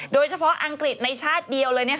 โดยเฉพาะอังกฤษในชาติเดียวเลย